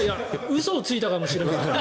嘘をついたかもしれません。